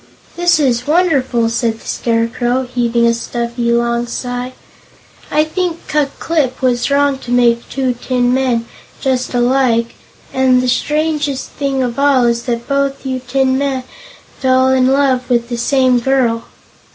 "This is wonderful!" said the Scarecrow, heaving a stuffy, long sigh. "I think Ku Klip was wrong to make two tin men, just alike, and the strangest thing of all is that both you tin men fell in love with the same girl."